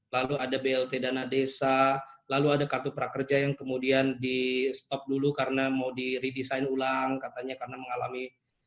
lalu ada blt dana desa lalu ada kartu prakerja yang kemudian di stop dulu karena mau di redesign ulang katanya karena mengalami